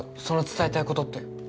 その伝えたい事って。